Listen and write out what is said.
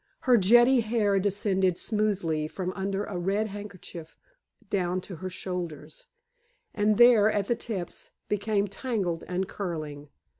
Her jetty hair descended smoothly from under a red handkerchief down to her shoulders, and there, at the tips, became tangled and curling.